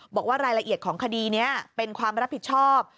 บอกว่ารายละเอียดของคดีนี้เป็นความรับผิดชอบ